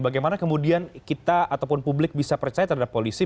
bagaimana kemudian kita ataupun publik bisa percaya terhadap polisi